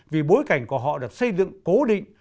vì bối cảnh của họ được xây dựng cố định